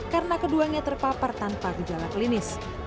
karena keduanya terpapar tanpa gejala klinis